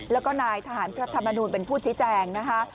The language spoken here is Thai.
แล้วก็นายทหารพระธรรมนูลเป็นผู้ชี้แจงนะคะ